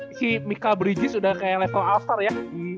ini si mikael bridges udah kayak level after ya